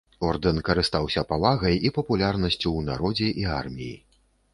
Ордэн карыстаўся павагай і папулярнасцю ў народзе і арміі.